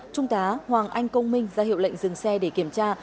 trung tá hoàng anh công minh ra hiệu lệnh dừng xe để kiểm tra